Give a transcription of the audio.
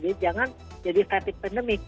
jadi jangan jadi fatigue pandemik